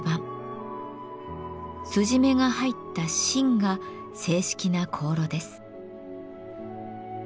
筋目が入った「真」が正式な香炉です。